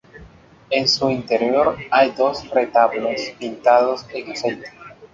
En su interior hay dos retablos pintados al aceite.